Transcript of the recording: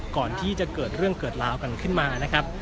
ก่อนที่จะเกิดเรื่องเกิดราวกันขึ้นมานะครับ